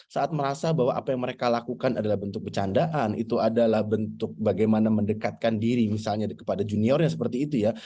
saat merasa bahwa apa yang mereka lakukan adalah bentuk bercandaan itu adalah bentuk bagaimana mendekatkan diri misalnya kepada juniornya seperti itu ya